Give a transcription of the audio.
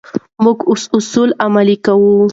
موږ اوس اصلاح عملي کوو.